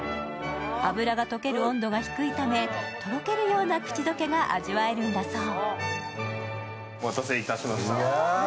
脂が溶ける温度が低いためとろけるような口溶けが味わえるんだそう。